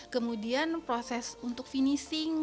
kemudian proses untuk finishing